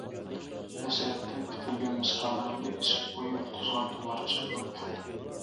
ھەسرەتتىن پۈتۈلگەن مىسرالىرىمنى، ئېسىپ قوي يۇلتۇزغا تۇمارچە قىلىپ.